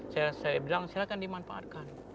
saya bilang silahkan dimanfaatkan